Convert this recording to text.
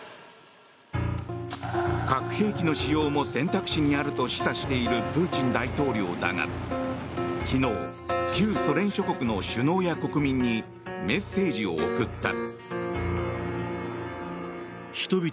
核兵器の使用も選択肢にあると示唆しているプーチン大統領だが昨日、旧ソ連諸国の首脳や国民にメッセージを送った。